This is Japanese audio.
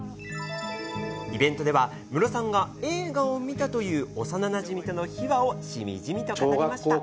イベントでは、ムロさんが映画を見たという幼なじみとの秘話をしみじみと語りました。